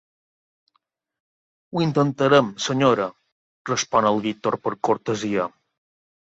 Ho intentarem, senyora —respon el Víctor per cortesia.